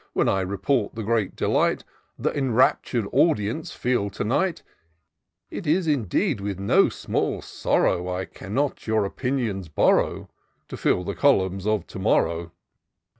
When I report the great delight Th* enraptur'd audience feel to night : It is, indeed, with no small sorrow, I cannot your opinions borrow To fill the columns of to morrow.